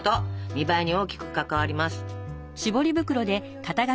見栄えに大きく関わります！